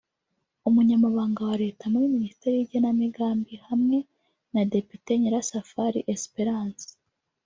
Umunyambanga wa Leta muri Minisiteri y’Igenamigambi hamwe na Depite Nyirasafari Esperance